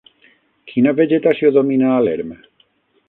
Quina vegetació domina a l'erm?